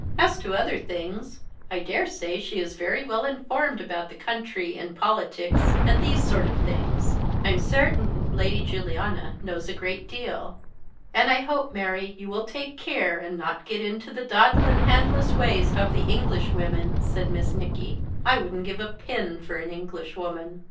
As to other things, I daresay she is very well informed about the country, and politics, and these sort of things I'm certain Lady Juliana knows a great deal." "And I hope, Mary, you will take care and not get into the daadlin' handless ways of the English women," said Miss Nicky; "I wouldn't give a pin for an Englishwoman."